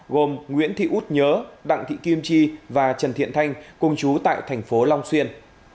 gồm nguyễn thị út nhớ đặng thị kim chi và trần thiện thanh cùng chú tại thành phố long xuyên